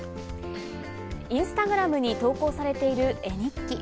インスタグラムに投稿されている絵日記。